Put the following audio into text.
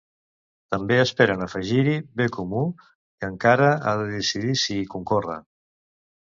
També esperen afegir-hi BComú, que encara ha de decidir si hi concorre.